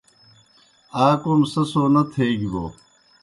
آ کوْم سہ سو نہ تھیگیْ بوْ